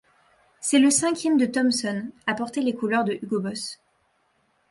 C'est le cinquième de Thomson à porter les couleurs de Hugo Boss.